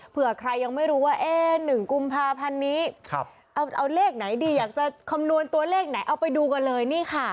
เผื่อใครยังไม่รู้ว่า๑กุมภาพันธ์นี้เอาเลขไหนดีอยากจะคำนวณตัวเลขไหนเอาไปดูกันเลยนี่ค่ะ